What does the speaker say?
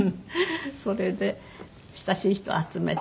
それで親しい人集めて。